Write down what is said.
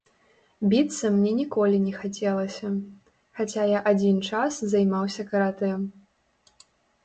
Біцца мне ніколі не хацелася, хаця я адзін час займаўся каратэ.